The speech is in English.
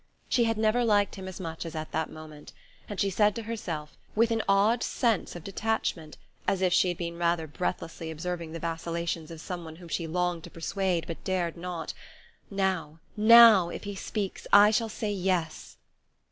She had never liked him as much as at that moment; and she said to herself, with an odd sense of detachment, as if she had been rather breathlessly observing the vacillations of someone whom she longed to persuade but dared not: "Now NOW, if he speaks, I shall say yes!"